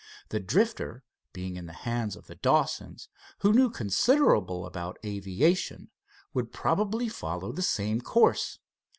The Drifter, being in the hands of the Dawsons, who knew considerable about aviation, would probably follow the same course.